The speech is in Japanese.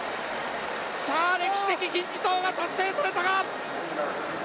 さあ、歴史的金字塔は達成されたか！